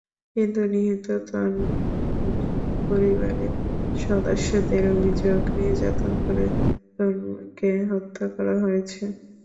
কিন্তু নিহত তন্বীর পরিবারের সদস্যদের অভিযোগ, নির্যাতন করে তন্বীকে হত্যা করা হয়েছে।